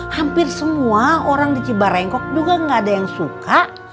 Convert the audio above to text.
hampir semua orang di cibarengkok juga nggak ada yang suka